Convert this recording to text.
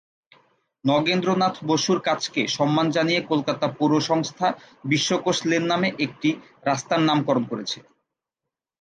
নগেন্দ্রনাথ বসুর কাজকে সম্মান জানিয়ে কলকাতা পৌরসংস্থা "বিশ্বকোষ" লেন নামে একটি রাস্তার নাম করণ করেছে।